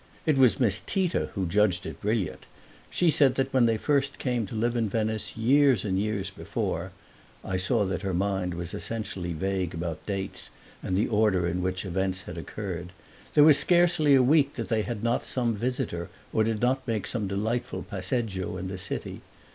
It was Miss Tita who judged it brilliant; she said that when they first came to live in Venice, years and years before (I saw that her mind was essentially vague about dates and the order in which events had occurred), there was scarcely a week that they had not some visitor or did not make some delightful passeggio in the city.